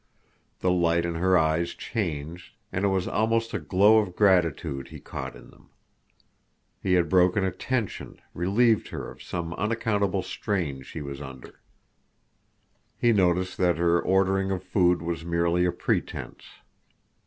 The light in her eyes changed, and it was almost a glow of gratitude he caught in them. He had broken a tension, relieved her of some unaccountable strain she was under. He noticed that her ordering of food was merely a pretense.